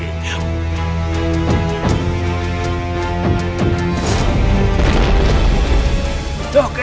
tuk tuk tuk tuk